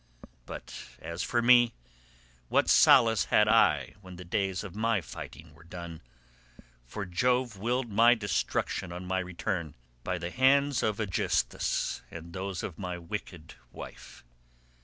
But as for me, what solace had I when the days of my fighting were done? For Jove willed my destruction on my return, by the hands of Aegisthus and those of my wicked wife."